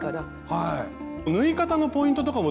はい。